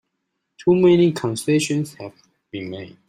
Too many concessions have been made!